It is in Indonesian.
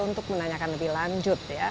untuk menanyakan lebih lanjut